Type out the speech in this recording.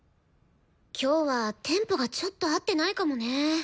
今日はテンポがちょっと合ってないかもね。